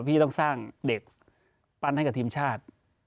พี่ต้องสร้างเด็กปั้นให้กับทีมชาติ